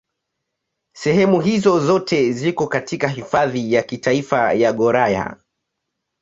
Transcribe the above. Sehemu hizo zote ziko katika Hifadhi ya Kitaifa ya Gouraya.